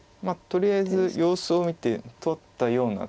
とりあえず様子を見て取ったような。